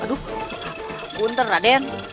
aduh gunter raden